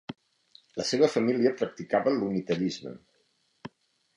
La seva família practicava l'unitarisme.